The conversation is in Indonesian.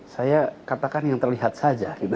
saya katakan yang terlihat saja